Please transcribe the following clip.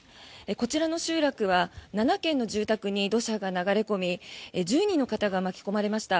こちらの集落は７軒の住宅に土砂が流れ込み１０人の方が巻き込まれました。